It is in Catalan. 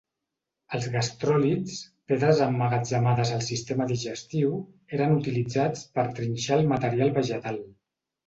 Els gastròlits, pedres emmagatzemades al sistema digestiu, eren utilitzats per trinxar el material vegetal.